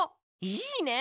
いいね！